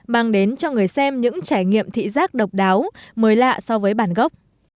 mang đến cho người xem những trải nghiệm thị giác độc đáo mới lạ so với bản gốc